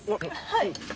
はい。